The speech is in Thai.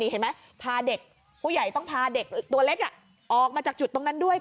เห็นไหมพาเด็กผู้ใหญ่ต้องพาเด็กตัวเล็กออกมาจากจุดตรงนั้นด้วย